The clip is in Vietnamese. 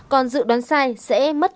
còn dự đoán sai sẽ mất